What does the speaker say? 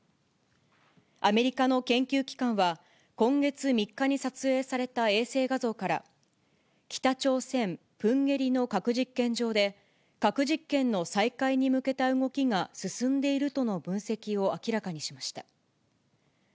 アメリカの研究機関は、今月３日に撮影された衛星画像から、北朝鮮・プンゲリの核実験場で、核実験の再開に向けた動きが進んでいるとの分析を明らかにしました。